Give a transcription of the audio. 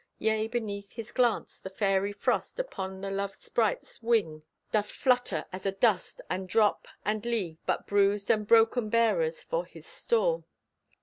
Yea, beneath his glance, the fairy frost Upon the love sprite's wing Doth flutter, as a dust, and drop, and leave But bruised and broken bearers for His store.